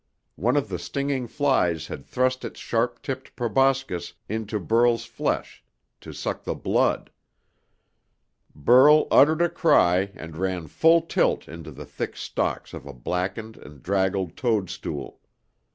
One of the stinging flies had thrust its sharp tipped proboscis into Burl's flesh to suck the blood. Burl uttered a cry and ran full tilt into the thick stalk of a blackened and draggled toadstool.